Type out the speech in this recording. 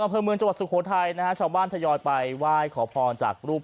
อเมืองจังหวัดสุโขไทยนะชาวบ้านทะยอดไปไหว้ขอพรจากรูป